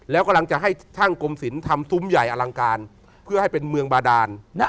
แล้วกำลังจะให้ช่างกรมศิลป์ทำซุ้มใหญ่อลังการเพื่อให้เป็นเมืองบาดาน